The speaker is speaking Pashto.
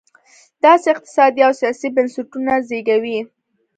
داسې اقتصادي او سیاسي بنسټونه زېږوي.